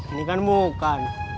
ini kan bukan